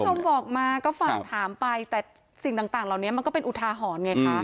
คุณผู้ชมบอกมาก็ฝากถามไปแต่สิ่งต่างเหล่านี้มันก็เป็นอุทาหรณ์ไงคะ